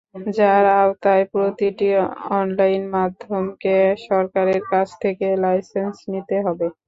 যার আওতায় প্রতিটি অনলাইন মাধ্যমকে সরকারের কাছ থেকে লাইসেন্স নিতে হবে।